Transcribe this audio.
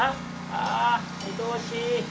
ああいとおしい」。